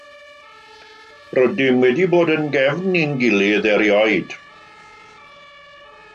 Rydym wedi bod yn gefn i'n gilydd erioed.